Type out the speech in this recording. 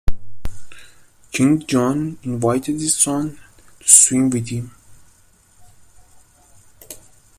King John invited his son to swim with him.